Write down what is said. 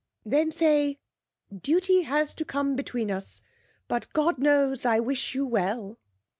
'Then say: Duty has to come between us, but God knows I wish you well.'